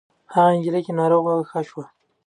هغه نجلۍ چې ناروغه وه ښه شوه.